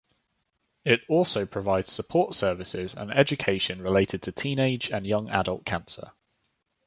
It also provides support services and education related to teenage and young adult cancer.